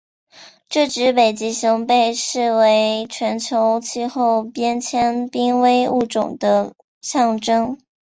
这只北极熊被视为全球气候变迁濒危物种的象征。